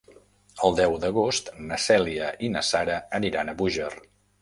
El deu d'agost na Cèlia i na Sara aniran a Búger.